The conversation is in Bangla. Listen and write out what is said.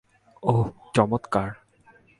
ওহ, চমৎকার।